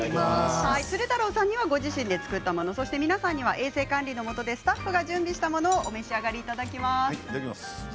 鶴太郎さんにはご自身で作ったもの、皆さんには衛生管理のもとスタッフが準備したものをお召し上がりいただきます。